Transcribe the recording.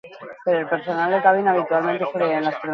Ekonomia-zientzietako ikasketak egin zituen Milanen eta Erroman.